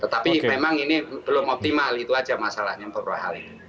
tapi memang ini belum optimal itu aja masalahnya beberapa hal